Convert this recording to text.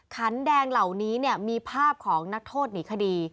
ขันแดงเหล่านี้มีภาพของนักโทษหนีคดี